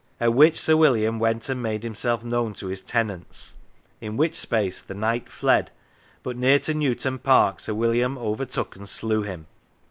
At which Sir William went and made himself known to his tenants, in which space the Knight fled, but near to Newton Park Sir William overtook and slew him.